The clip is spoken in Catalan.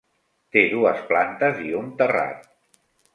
Té dues plantes i un terrat.